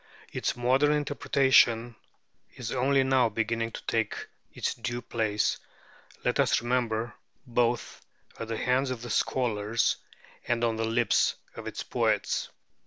Its modern interpretation is only now beginning to take its due place, let us remember, both at the hands of its scholars and on the lips of its poets.